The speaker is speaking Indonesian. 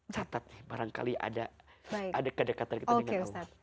catat nih barangkali ada kedekatan kita dengan allah